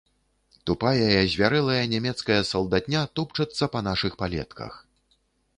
Тупая і азвярэлая нямецкая салдатня топчацца па нашых палетках.